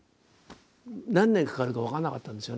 何年かかるか分からなかったんですよね。